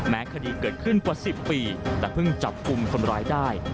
คดีเกิดขึ้นกว่า๑๐ปีแต่เพิ่งจับกลุ่มคนร้ายได้